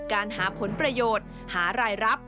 การหาผลประโยชน์หารายรับ